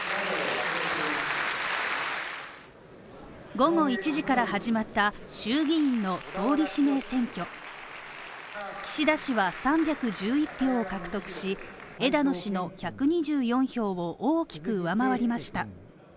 午後１時から始まった衆議院の総理指名選挙岸田氏は３１１票を獲得し、枝野氏の１２４票を大きく上回りました。